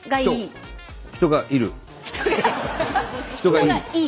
人がいい。